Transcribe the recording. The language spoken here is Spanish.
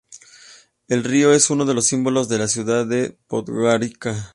El río es uno de los símbolos de la ciudad de Podgorica.